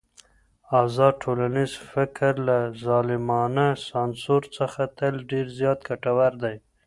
ازاد ټولنيز فکر له ظالمانه سانسور څخه تل ډېر زيات ګټور دی.